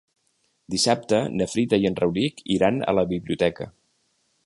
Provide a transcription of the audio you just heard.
Dissabte na Frida i en Rauric iran a la biblioteca.